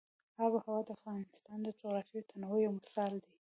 آب وهوا د افغانستان د جغرافیوي تنوع یو مثال دی.